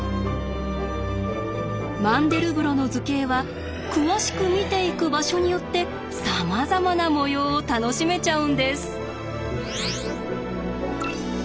マンデルブロの図形は詳しく見ていく場所によってさまざまな模様を楽しめちゃうんです。